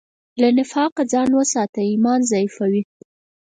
له نفاقه ځان وساته، ایمان ضعیفوي.